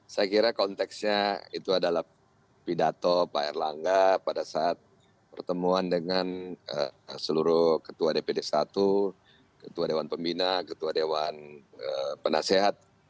saya kira konteksnya itu adalah pidato pak erlangga pada saat pertemuan dengan seluruh ketua dpd satu ketua dewan pembina ketua dewan penasehat